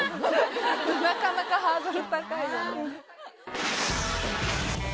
なかなかハードル高いよね